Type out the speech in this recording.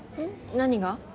何が？